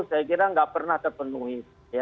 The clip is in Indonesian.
tiga puluh saya kira tidak pernah terpenuhi